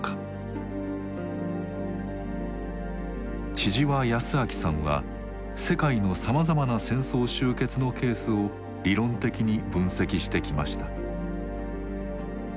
千々和泰明さんは世界のさまざまな戦争終結のケースを理論的に分析してきました。